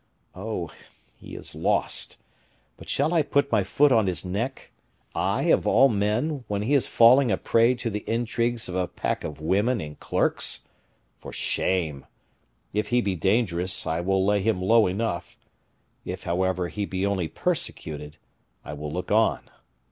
Oh! he is lost! But shall I put my foot on his neck, I, of all men, when he is falling a prey to the intrigues of a pack of women and clerks? For shame! If he be dangerous, I will lay him low enough; if, however, he be only persecuted, I will look on.